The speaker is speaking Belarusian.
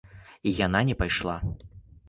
І яна не пайшла.